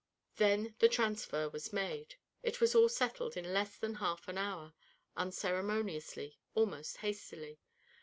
Then the transfer was made. It was all settled in less than half an hour, unceremoniously, almost hastily.